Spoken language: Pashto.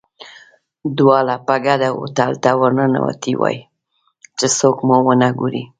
دواړه په ګډه هوټل ته ورننوتي وای، چې څوک مو ونه ګوري.